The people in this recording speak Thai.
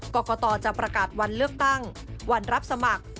กรกตจะประกาศวันเลือกตั้งวันรับสมัคร